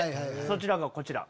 そちらがこちら。